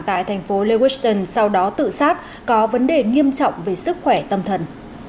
tại thành phố lewiston sau đó tự sát có vấn đề nghiêm trọng về sức khỏe tâm thần